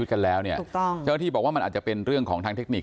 เพราะเราก็ไม่รู้ว่ามันคืออะไร